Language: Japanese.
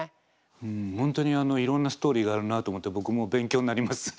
本当にいろんなストーリーがあるなと思って僕も勉強になります。